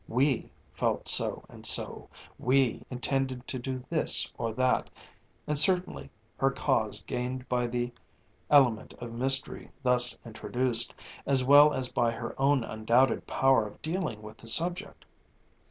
"We" felt so and so; "we" intended to do this or that; and certainly her cause gained by the element of mystery thus introduced, as well as by her own undoubted power of dealing with the subject.